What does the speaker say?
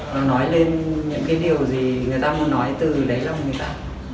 nó nói lên những cái điều gì người ta muốn nói từ lấy lòng người ta